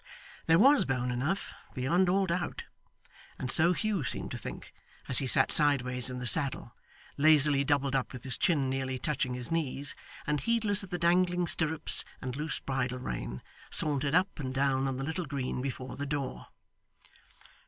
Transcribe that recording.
There was bone enough beyond all doubt; and so Hugh seemed to think, as he sat sideways in the saddle, lazily doubled up with his chin nearly touching his knees; and heedless of the dangling stirrups and loose bridle rein, sauntered up and down on the little green before the door.